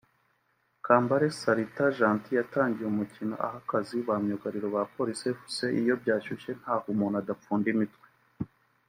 Kambale Salita Gentil yatangiye umukino aha akazi ba myugariro ba Police fcIyo byashyushye ntaho umuntu adapfunda imitwe